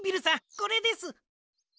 これです。